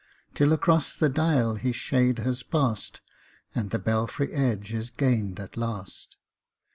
Till across the dial his shade has pass'd, And the belfry edge is gain'd at last.